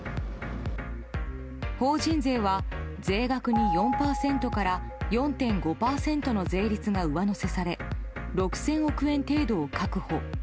法人税は、税額に４％から４．５％の税率が上乗せされ６０００億円程度を確保。